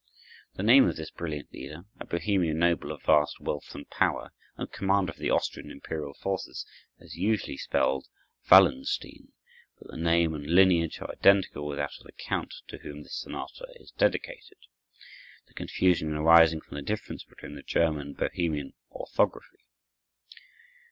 The name of this brilliant leader, a Bohemian noble of vast wealth and power, and commander of the Austrian imperial forces, is usually spelled Wallenstein; but the name and lineage are identical with that of the Count to whom this sonata is dedicated—the confusion arising from the difference between the German and Bohemian orthography.